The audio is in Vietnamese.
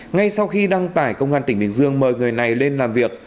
ngay sau khi đăng tải công an tỉnh bình dương mời người này lên làm việc